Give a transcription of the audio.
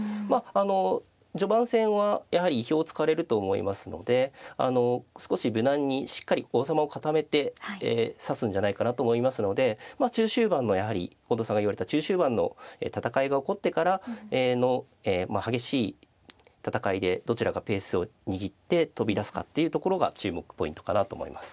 あの序盤戦はやはり意表をつかれると思いますのであの少し無難にしっかり王様を固めて指すんじゃないかなと思いますのでまあ中終盤のやはり近藤さんが言われた中終盤の戦いが起こってからの激しい戦いでどちらがペースを握って飛び出すかっていうところが注目ポイントかなと思います。